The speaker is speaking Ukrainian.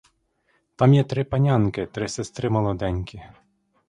Там є три панянки, три сестри молоденькі.